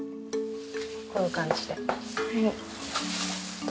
こういう感じで。